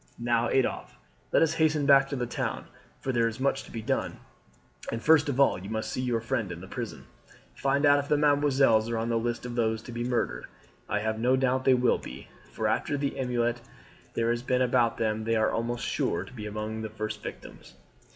Now, Adolphe, let us hasten back to the town, for there is much to be done. And first of all you must see your friend in the prison; find out if mesdemoiselles are on the list of those to be murdered. I have no doubt they will be, for after the emeute there has been about them they are almost sure to be among the first victims.